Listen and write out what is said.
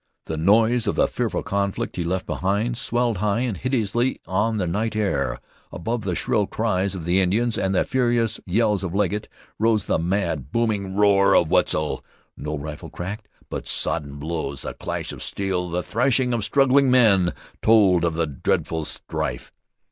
The noise of the fearful conflict he left behind, swelled high and hideously on the night air. Above the shrill cries of the Indians, and the furious yells of Legget, rose the mad, booming roar of Wetzel. No rifle cracked; but sodden blows, the clash of steel, the threshing of struggling men, told of the dreadful strife.